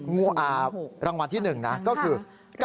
งวดวันที่หนึ่งนะก็คือ๙๑๓๑๐๖ออ๙๑๓๑๐๖ออ